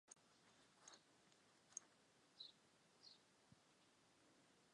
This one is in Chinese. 塞鲁小城堡人口变化图示